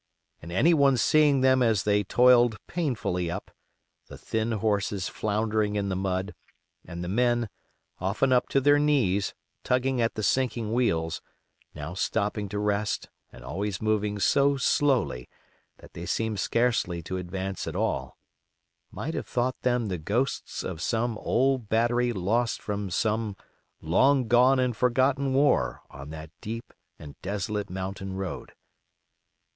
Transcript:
And anyone seeing them as they toiled painfully up, the thin horses floundering in the mud, and the men, often up to their knees, tugging at the sinking wheels, now stopping to rest, and always moving so slowly that they seemed scarcely to advance at all, might have thought them the ghosts of some old battery lost from some long gone and forgotten war on that deep and desolate mountain road.